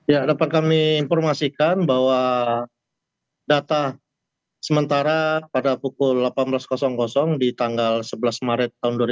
ya dapat kami informasikan bahwa data sementara pada pukul delapan belas di tanggal sebelas maret dua ribu dua puluh